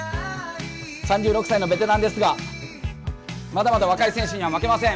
３６歳のベテランですが、まだまだ若い選手には負けません。